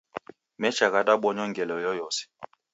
Mecha ghadabonywa ngelo yoyose.